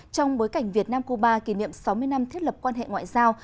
trong bối cảnh việt nam cuba kỷ niệm sáu mươi năm thiết lập quan hệ ngoại giao